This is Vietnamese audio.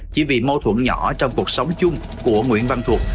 chỉ vì mâu thuẫn nhỏ trong cuộc sống chung của nguyễn văn thuật